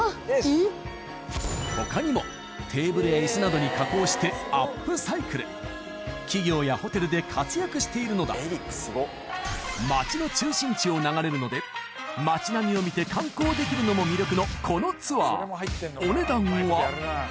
他にもアップサイクル企業やホテルで活躍しているのだ街の中心地を流れるので街並みを見て観光できるのも魅力のこのツアーお値段は？